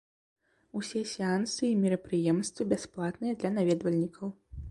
Усе сеансы і мерапрыемствы бясплатныя для наведвальнікаў.